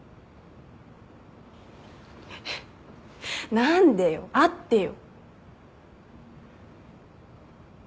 何でよ会ってよ。